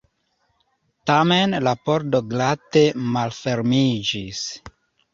Tamen la pordo glate malfermiĝis.